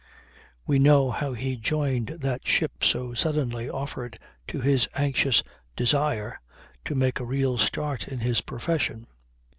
We know how he joined that ship so suddenly offered to his anxious desire to make a real start in his profession.